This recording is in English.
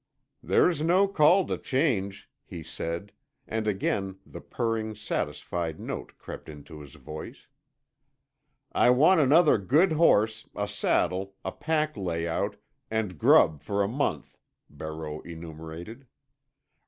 "There's no call to change," he said, and again the purring, satisfied note crept into his voice. "I want another good horse, a saddle, a pack layout, and grub for a month," Barreau enumerated.